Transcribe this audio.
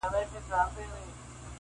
هى افسوس چي پر تا تېر سول زر كلونه -